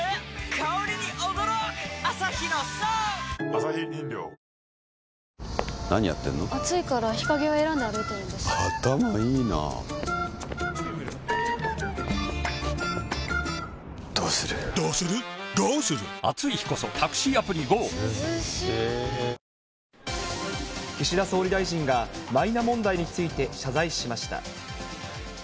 香りに驚くアサヒの「颯」岸田総理大臣が、マイナ問題について謝罪しました。